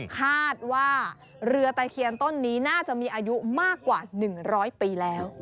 คาดว่าเรือตะเคียนต้นนี้น่าจะมีอายุมากกว่า๑๐๐ปีแล้ว